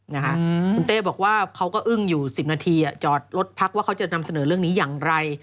คุณเต้บอกว่าเขาก็อึ้งอยู่๑๐นาทีจอดรถพักว่าเขาจะนำเสนอเรื่องนี้อย่างไร